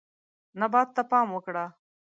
نبات ته پام وکړه.